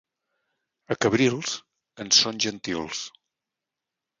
A Cabrils, en són gentils.